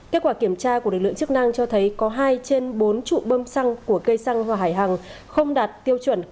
kết quả kiểm tra của lực lượng chức năng cho thấy có hai trên bốn trụ bơm xăng của cây xăng hòa hải hằng không đạt tiêu chuẩn